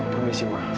permisi ma setelah